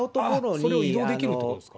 それを移動できるということですか？